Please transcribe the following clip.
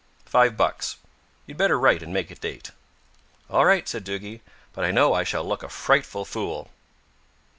"Five bucks. You'd better write and make a date." "All right," said Duggie. "But I know I shall look a frightful fool."